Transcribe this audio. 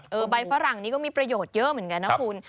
ใบฝรั่งนี้ก็มีประโยชน์เยอะเหมือนกันนะคุณ